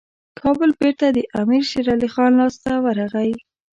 کابل بیرته د امیر شېرعلي خان لاسته ورغی.